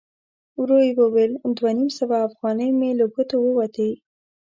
ورو يې وویل: دوه نيم سوه اوغانۍ مې له ګوتو ووتې!